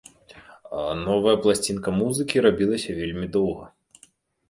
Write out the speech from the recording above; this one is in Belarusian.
Новая пласцінка музыкі рабілася вельмі доўга.